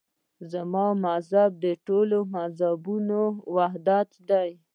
زما مذهب د ټولو مذهبونو وحدت دی.